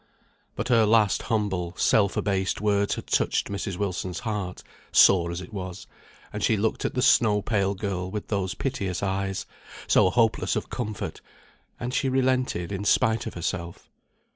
But her last humble, self abased words had touched Mrs. Wilson's heart, sore as it was; and she looked at the snow pale girl with those piteous eyes, so hopeless of comfort, and she relented in spite of herself.